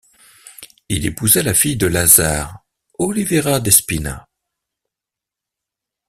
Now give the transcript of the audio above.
Il épousa la fille de Lazar, Olivera Despina.